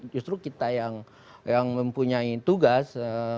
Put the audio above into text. justru kita yang mempunyai tugas